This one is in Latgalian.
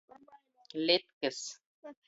Lytkys.